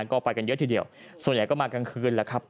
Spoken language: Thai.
ก็ไปกันเยอะทีเดียวส่วนใหญ่ก็มากลางคืนแล้วครับ